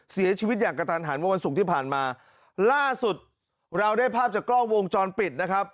เสียชีวิตอย่างกระทันหันเมื่อวันศุกร์ที่ผ่านมาล่าสุดเราได้ภาพจากกล้องวงจรปิดนะครับ